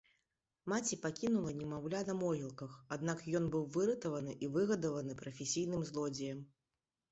Маці пакінула немаўля на могілках, аднак ён быў выратаваны і выгадаваны прафесійным злодзеем.